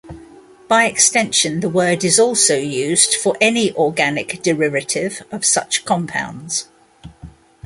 By extension, the word is also used for any organic derivative of such compounds.